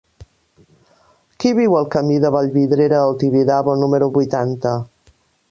Qui viu al camí de Vallvidrera al Tibidabo número vuitanta?